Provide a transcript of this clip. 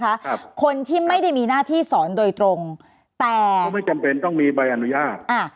ครับคนที่ไม่ได้มีหน้าที่สอนโดยตรงแต่เขาไม่จำเป็นต้องมีใบอนุญาตอ่า